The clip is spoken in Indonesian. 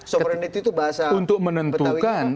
sovereignty itu bahasa inggris